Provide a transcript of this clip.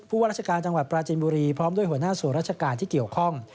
ว่าราชการจังหวัดปราจินบุรีพร้อมด้วยหัวหน้าส่วนราชการที่เกี่ยวข้อง